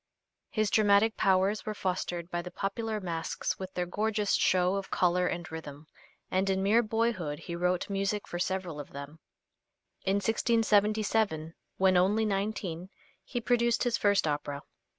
His dramatic powers were fostered by the popular masques with their gorgeous show of color and rhythm, and in mere boyhood he wrote music for several of them. In 1677, when only nineteen, he produced his first opera.